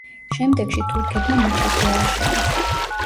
შემდეგში თურქებმა მეჩეთი ააშენეს.